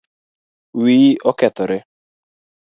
Wiyi okethore